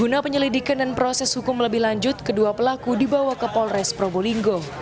guna penyelidikan dan proses hukum lebih lanjut kedua pelaku dibawa ke polres probolinggo